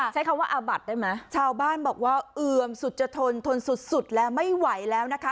ใช้คำว่าอาบัดได้ไหมชาวบ้านบอกว่าเอือมสุดจะทนทนสุดแล้วไม่ไหวแล้วนะคะ